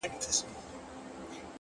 لږه دورې زيارت ته راسه زما واده دی گلي!